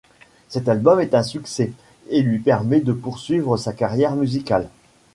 Cet album est un succès et lui permet de poursuivre sa carrière musicale.